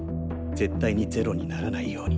絶対に０にならないように。